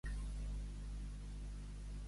Què va oferir-li el déu?